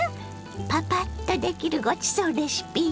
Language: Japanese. パパッとできるごちそうレシピよ。